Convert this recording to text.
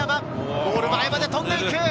ゴール前まで飛んでいく。